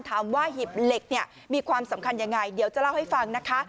หีบเหล็กเนี่ยมีความสำคัญยังไงเดี๋ยวจะเล่าให้ฟังนะคะ